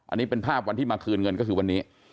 อันนี้เป็นภาพวันที่มาคืนเงินก็คือวันนี้